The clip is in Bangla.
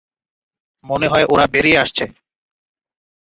মনে হয় ওরা বেরিয়ে আসছে।